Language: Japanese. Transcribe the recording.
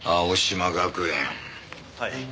はい。